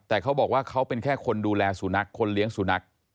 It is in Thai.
แต่เขาบอกว่าเขาเป็นแค่คนดูแลสุนัขคนเลี้ยงสุนัข